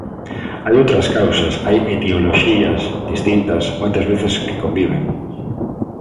Hai outras causas, hai etioloxías distintas, moitas veces que conviven.